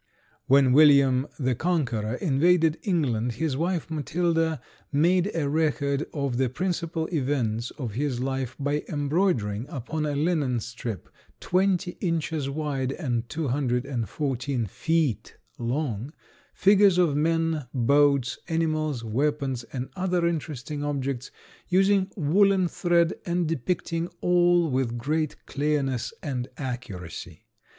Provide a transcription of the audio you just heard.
When William the Conqueror invaded England his wife Matilda made a record of the principal events of his life by embroidering upon a linen strip twenty inches wide and two hundred and fourteen feet long figures of the men, boats, animals, weapons, and other interesting objects, using woolen thread and depicting all with great clearness and accuracy.